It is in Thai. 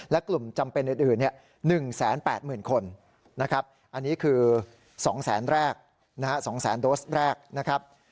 และกลุ่มจำเป็นอื่น๑๘๐๐๐คนนะครับอันนี้คือ๒แสนแรก๒แสนโดสแรกนะครับ